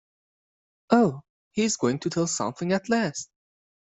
Oh, he is going to tell something at last!